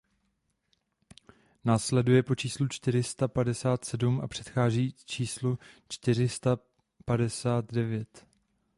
Následuje po číslu čtyři sta padesát sedm a předchází číslu čtyři sta padesát devět.